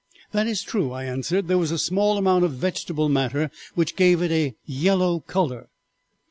"'That is true,' I answered, 'there was a small amount of vegetable matter which gave it a yellow color.'